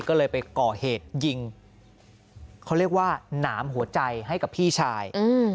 ก็เลยไปก่อเหตุยิงเขาเรียกว่าหนามหัวใจให้กับพี่ชาย